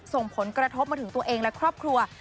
ส่งผลกระทบมาถึงตัวเองและครอบครัว